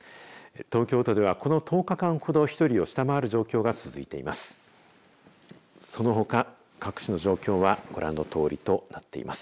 東京都ではこの１０日間ほど１人を下回る状況が続いています。